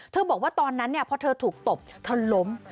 บอกว่าตอนนั้นพอเธอถูกตบเธอล้ม